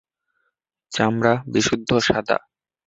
চামড়া বিশুদ্ধ সাদা।